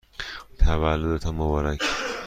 تولدتان مبارک!